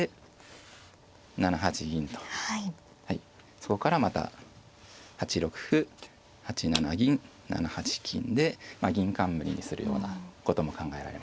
そこからまた８六歩８七銀７八金で銀冠にするようなことも考えられますね。